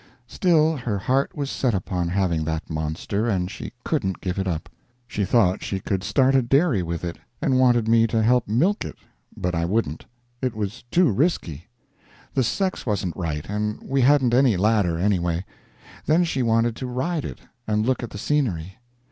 Still, her heart was set upon having that monster, and she couldn't give it up. She thought we could start a dairy with it, and wanted me to help milk it; but I wouldn't; it was too risky. The sex wasn't right, and we hadn't any ladder anyway. Then she wanted to ride it, and look at the scenery.